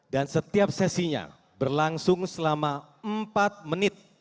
dan setiap sesinya berlangsung selama empat menit